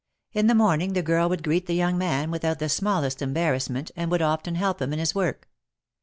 In the morning the girl would greet the young man without the smallest embarrassment, and would often help him in his work.